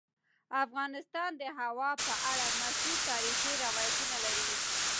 افغانستان د هوا په اړه مشهور تاریخی روایتونه لري.